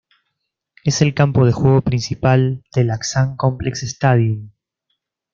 Es el campo de juego principal del Azam Complex Stadium.